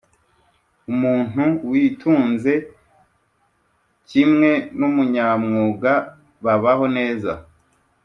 Umuntu witunze kimwe n’umunyamwuga babaho neza,